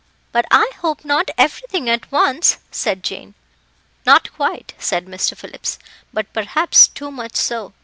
"But I hope not everything at once," said Jane. "Not quite," said Mr. Phillips; "but perhaps too much so.